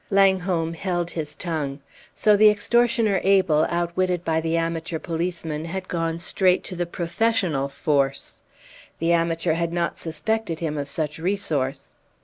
Langholm held his tongue. So the extortioner Abel, outwitted by the amateur policeman, had gone straight to the professional force! The amateur had not suspected him of such resource.